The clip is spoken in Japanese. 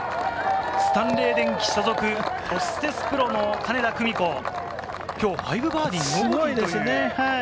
スタンレー電気所属、ホステスプロの金田久美子、今日、５バーディー、ノーボギーです。